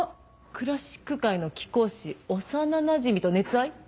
「クラシック界の貴公子幼なじみと熱愛」？